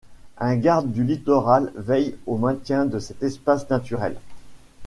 Un garde du littoral veille au maintien de cet espace naturel.